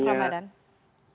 terima kasih banyak